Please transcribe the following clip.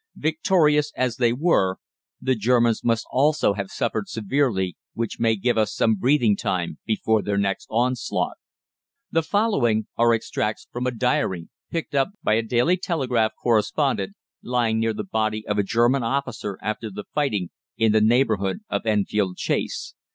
Victorious as they were, the Germans must also have suffered severely, which may give us some breathing time before their next onslaught." The following are extracts from the diary picked up by a "Daily Telegraph" correspondent, lying near the body of a German officer after the fighting in the neighbourhood of Enfield Chase.